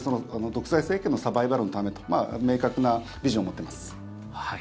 独裁政権のサバイバルのためと明確なビジョンを持っています。